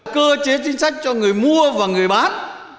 cơ chế chính sách cho người mua và người bán